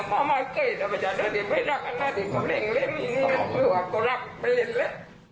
มันแบบใหญ่สินะเพราะว่ามา